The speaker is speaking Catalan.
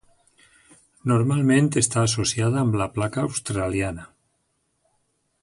Normalment està associada amb la placa australiana.